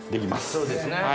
そうですね。